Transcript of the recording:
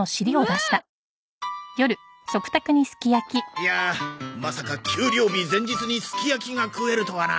いやあまさか給料日前日にすき焼きが食えるとはな。